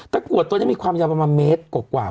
กรวดตัวนี้มีความยาวประมาณเมตรกว่า